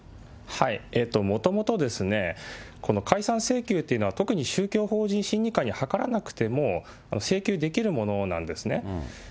もともとこの解散請求っていうのは、特に宗教法人審議会に諮らなくても、請求できるものなんですね。